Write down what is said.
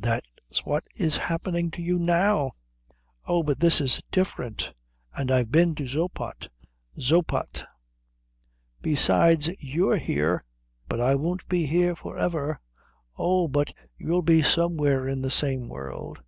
"That's what is happening to you now." "Oh, but this is different. And I've been to Zoppot." "Zoppot!" "Besides, you're here." "But I won't be here for ever." "Oh, but you'll be somewhere in the same world."